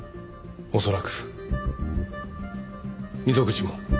恐らく溝口も。